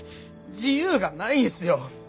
自由がないんすよ！